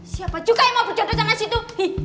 siapa juga yang mau berjodoh di sana situ